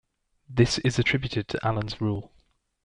This is attributed to Allen's rule.